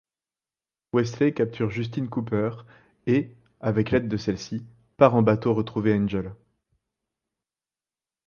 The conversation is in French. Wesley capture Justine Cooper et, avec l'aide de celle-ci, part en bateau retrouver Angel.